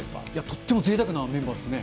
とってもぜいたくなメンバーですね。